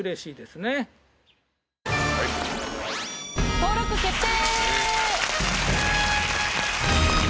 登録決定！